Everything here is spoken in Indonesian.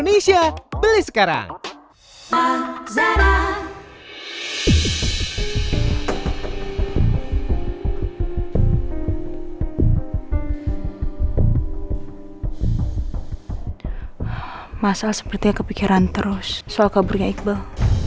masa sepertinya kepikiran terus soal kaburnya iqbal